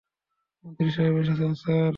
মন্ত্রীসাহেব এসেছেন, স্যার।